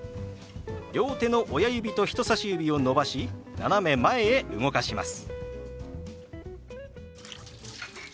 両手の親指と人さし指を伸ばし斜め前へ動かします。